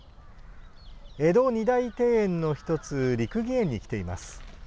江戸二大庭園の１つ六義園に来ています。